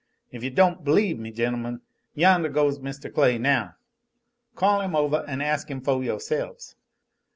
If you don't b'lieve me, gentlemen, yondah goes Mr. Clay now; call him ovah an' ask 'im foh yo'se'ves."